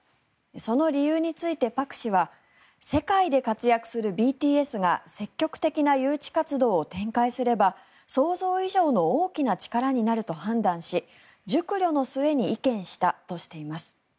その理由についてパク氏は世界で活躍するＢＴＳが積極的な誘致活動を展開すれば想像以上の大きな力になると判断し熟慮の末に意見したとしています。